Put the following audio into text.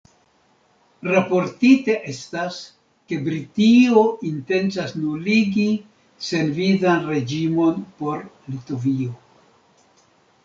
Raportite estas, ke Britio intencas nuligi senvizan reĝimon por Litovio.